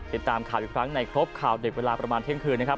ติดตามข่าวอีกครั้งในครบข่าวเด็กเวลาประมาณเที่ยงคืนนะครับ